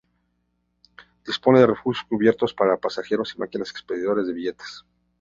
Dispone de refugios cubiertos para los pasajeros y de máquinas expendedoras de billetes.